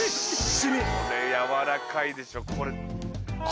これやわらかいでしょ。